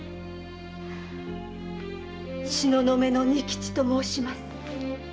「東雲の仁吉」と申します。